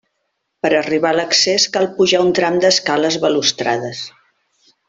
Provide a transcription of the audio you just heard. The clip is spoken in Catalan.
Per arribar a l'accés cal pujar un tram d'escales balustrades.